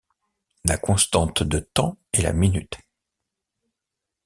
La constante de temps est la minute.